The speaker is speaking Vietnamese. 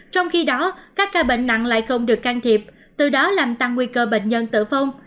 trong khi đó các ca bệnh nặng lại không được can thiệp từ đó làm tăng nguy cơ bệnh nhân tử vong